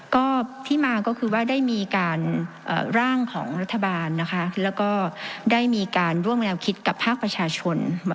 ก็ที่มาก็คือว่าได้มีการร่างของรัฐบาลนะคะแล้วก็ได้มีการร่วมแนวคิดกับภาคประชาชน